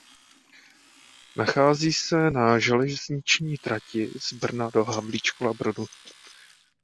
Nachází se na železniční trati z Brna do Havlíčkova Brodu.